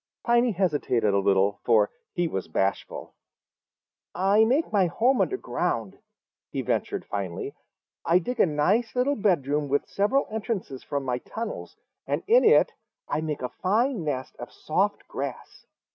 Piney hesitated a little, for he was bashful. "I make my home under ground," he ventured finally. "I dig a nice little bedroom with several entrances from my tunnels, and in it I make a fine nest of soft grass.